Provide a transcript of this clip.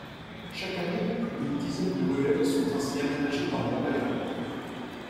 Chaque année, plus d'une dizaine de ruelles sont ainsi aménagées dans Montréal.